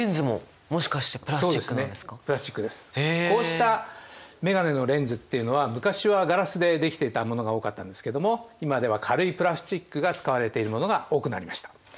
こうした眼鏡のレンズっていうのは昔はガラスでできていたものが多かったんですけども今では軽いプラスチックが使われているものが多くなりました。